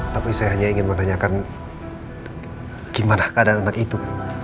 tapi saya hanya ingin menanyakan gimana keadaan anak itu